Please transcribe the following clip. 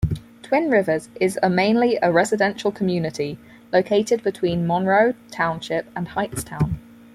Twin Rivers is a mainly a residential community located between Monroe Township and Hightstown.